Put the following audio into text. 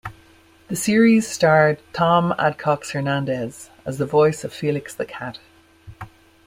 The series starred Thom Adcox-Hernandez as the voice of Felix the Cat.